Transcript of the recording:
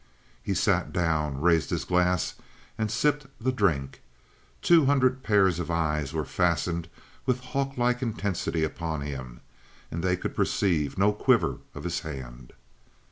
He sat down, raised his glass, and sipped the drink. Two hundred pairs of eyes were fastened with hawklike intensity upon him, and they could perceive no quiver of his hand.